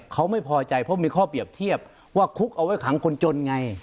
เขาไม่พอใจเพราะมีข้อเปรียบเทียบว่าคุกเอาไว้ขังคนจนไง